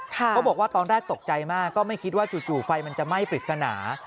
เขาบอกว่าตอนแรกตกใจมากก็ไม่คิดว่าจู่ไฟมันจะไหม้ปริศนา